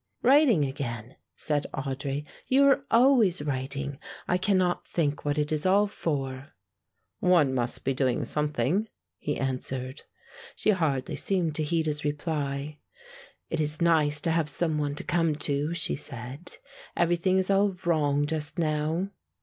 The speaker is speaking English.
"Writing again," said Audry; "you are always writing. I cannot think what it is all for." "One must be doing something," he answered. She hardly seemed to heed his reply. "It is nice to have some one to come to," she said; "everything is all wrong just now."